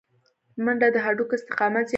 منډه د هډوکو استقامت زیاتوي